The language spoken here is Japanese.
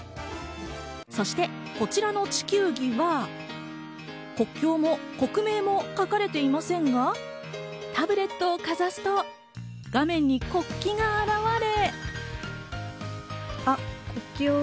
そしてこちらの地球儀は国境も国名も書かれていませんが、タブレットをかざすと画面に国旗が現れ。